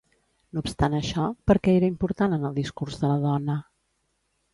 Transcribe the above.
No obstant això, per què era important en el discurs de la dona?